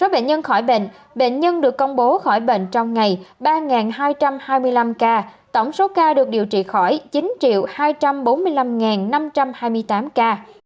bệnh nhân được công bố khỏi bệnh trong ngày ba hai trăm hai mươi năm ca tổng số ca được điều trị khỏi chín hai trăm bốn mươi năm năm trăm hai mươi tám ca